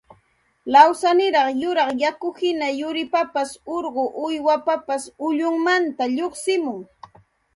lawsaniraq yuraq yakuhina qaripapas urqu uywapapas ullunmanta lluqsimuq